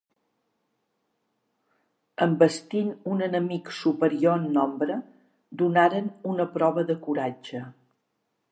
Envestint un enemic superior en nombre donaren una prova de coratge.